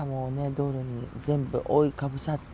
道路に全部覆いかぶさって。